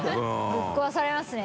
ぶっ壊されますね。